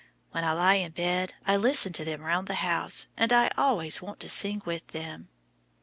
When I lie in bed I listen to them around the house, and I always want to sing with them.